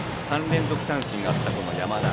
３連続三振があった山田。